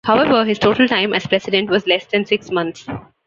However his total time as president was less than six months.